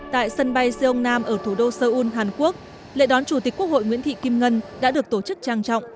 tại sân bay seoung nam ở thủ đô seoul hàn quốc lễ đón chủ tịch quốc hội nguyễn thị kim ngân đã được tổ chức trang trọng